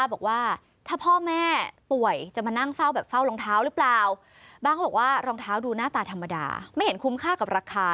บางคนบอกว่ารองเท้าดูหน้าตาธรรมดาไม่เห็นคุ้มค่ากับราคา